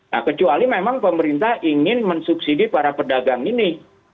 nah kecuali memang pemerintah ingin mensubsidi para pedagang ini